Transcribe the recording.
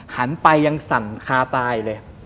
หันไปยังสั่นคาตายเลย